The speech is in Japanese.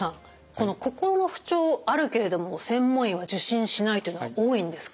この心の不調あるけれども専門医は受診しないというのは多いんですか？